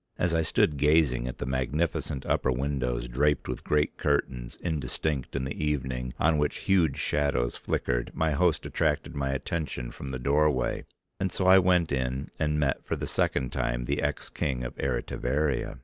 As I stood gazing at the magnificent upper windows draped with great curtains, indistinct in the evening, on which huge shadows flickered my host attracted my attention from the doorway, and so I went in and met for the second time the ex King of Eritivaria.